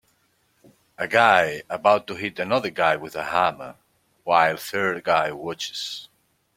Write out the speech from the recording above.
A guy about to hit another guy with a hammer, while third guy watches.